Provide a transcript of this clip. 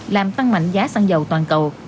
làm tăng mạnh giá sản dầu toàn cầu